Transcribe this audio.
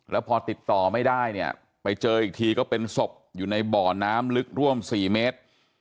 แล้วพอติดต่อไม่ได้เนี่ยไปเจออีกทีก็เป็นศพอยู่ในบ่อน้ำลึกร่วม๔เมตร